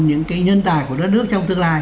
những nhân tài của đất nước trong tương lai